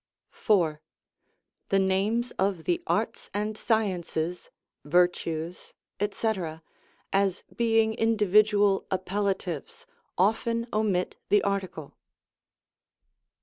4. The names of the arts and sciences, virtues, &c., as being individual appellatives, often omit the article.